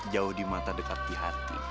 jauh di mata dekat di hati